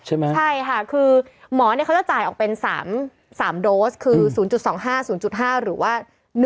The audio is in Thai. ใช่ไหมใช่ค่ะคือหมอเขาจะจ่ายออกเป็น๓โดสคือ๐๒๕๐๕หรือว่า